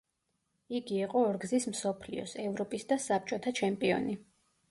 იგი იყო ორგზის მსოფლიოს, ევროპის და საბჭოთა ჩემპიონი.